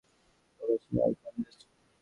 প্রবাসী আয় কমে যাচ্ছে।